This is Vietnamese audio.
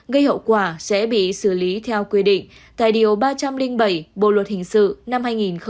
gây hậu quả sẽ bị xử lý theo quy định tại điều ba trăm linh bảy bộ luật hình sự năm hai nghìn một mươi năm